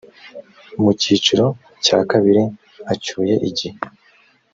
mu cyiciro cya kabiri acyuye igihe